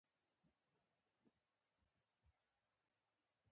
آیا باید ورسره دوستي ونشي؟